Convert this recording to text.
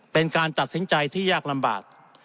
เป็นการตัดสินใจที่ยากลำบาก